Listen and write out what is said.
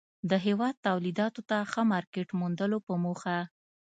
د هېواد توليداتو ته ښه مارکيټ موندلو په موخه